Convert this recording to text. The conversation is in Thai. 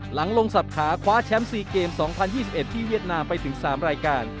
หลังลงสับขาคว้าแชมป์๔เกม๒๐๒๑ที่เวียดนามไปถึง๓รายการ